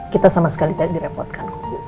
kita sama sekali tidak direpotkan